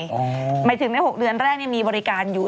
หมายถึงใน๖เดือนแรกมีบริการอยู่